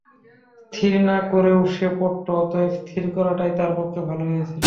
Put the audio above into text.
স্থির না করলেও সে পড়ত, অতএব স্থির করাটাই তার পক্ষে ভালো হয়েছিল।